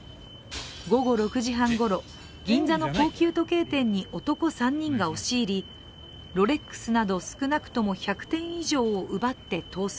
午後６時半ごろ、銀座の高級時計店に男３人が押し入りロレックスなど少なくとも１００点以上を奪って逃走。